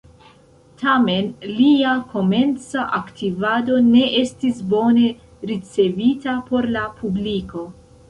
Tamen lia komenca aktivado ne estis bone ricevita por la publiko.